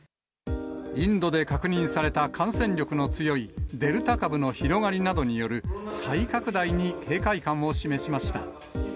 インドで確認された感染力の強いデルタ株の広がりなどによる再拡大に警戒感を示しました。